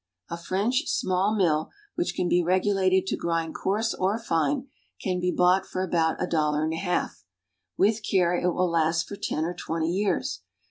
A French small mill, which can be regulated to grind coarse or fine, can be bought for about a dollar and a half. With care it will last for ten or twenty years.